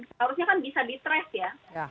seharusnya kan bisa di trace ya